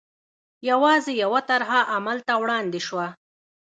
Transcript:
یوازې یوه طرحه عمل ته وړاندې شوه.